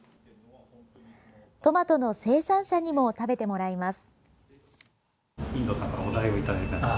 トマトの生産者にも食べてもらいます。